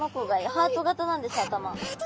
ハートなんですか。